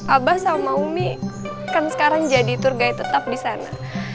abah sama umi kan sekarang jadi tour guy tetap di sana